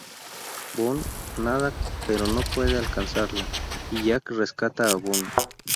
Boone nada pero no puede alcanzarla, y Jack rescata a Boone.